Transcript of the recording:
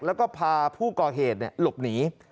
แล้วก็พาผู้ก่อเหตุหลบหนี